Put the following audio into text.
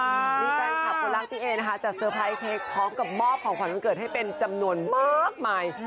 นี้แปลงคำอันนี้นะครับจะสเซอร์ไพรส์เค้กพร้อมกับมอบของขอล้างเกิดให้เป็นจำนวนมากมาย